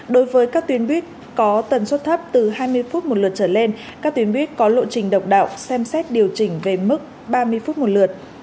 đối với các tuyến buýt có tần suất thấp từ hai mươi phút một lượt trở lên các tuyến buýt có lộ trình độc đạo xem xét điều chỉnh về mức ba mươi phút một lượt